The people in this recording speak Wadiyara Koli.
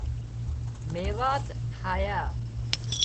ميوات ٺاهيا